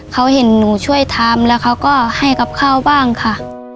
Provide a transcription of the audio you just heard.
เขาเห็นหนูช่วยทำแล้วเขาก็ให้กับข้าวบ้างค่ะ